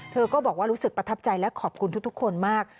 เธอก็บอกว่ารู้สึกประทับใจและขอบคุณทุกคนมาก